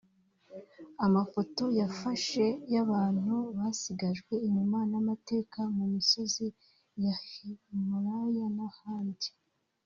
Amafoto yafashe y’abantu basigajwe inyuma n’amateka mu misozi ya Himalaya n’ahandi